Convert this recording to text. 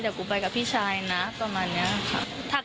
เดี๋ยวกูไปกับพี่ชายนะประมาณนี้ค่ะ